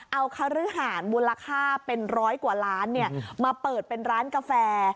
เอาคฤหารมูลค่าเป็นร้อยกว่าล้านมาเปิดเป็นร้านกาแฟ